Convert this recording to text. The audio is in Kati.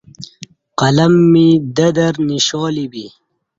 قلم می د در نِشالی بی